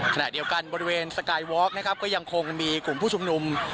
ขณะเดียวกันบริเวณสกายวอล์กนะครับก็ยังคงมีกลุ่มผู้ชุมนุม